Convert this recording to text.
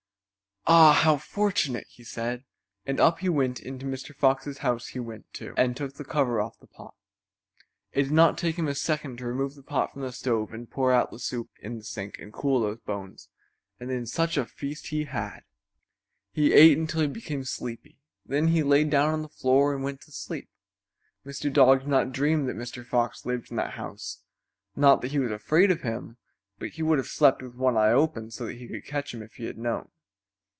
"Ah, how fortunate!" he said, and up he went and into Mr. Fox's house he went, too, and took the cover off the pot. It did not take him a second to remove the pot from the stove and pour out the soup in the sink and cool those bones, and then such a feast as he had. He ate until he became sleepy; then he lay down on the floor and went to sleep. Mr. Dog did not dream that Mr. Fox lived in that house; not that he was afraid of him, but he would have slept with one eye open so that he could catch him if he had known.